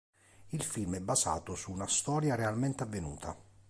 Il film è basato su una storia realmente avvenuta.